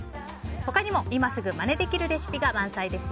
他にも今すぐまねできるレシピが満載です。